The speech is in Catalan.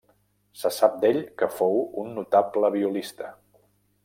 Se sap d'ell que fou un notable violista.